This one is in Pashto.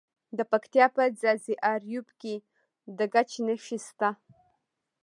د پکتیا په ځاځي اریوب کې د ګچ نښې شته.